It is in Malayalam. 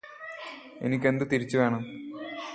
എനിക്കത് തിരിച്ചുവേണം